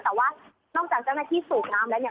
แต่ว่านอกจากเจ้าหน้าที่สูบน้ำแล้วเนี่ย